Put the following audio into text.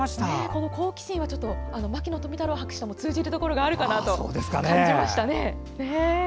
この好奇心は牧野富太郎博士とも通じるところがあるかなと感じましたね。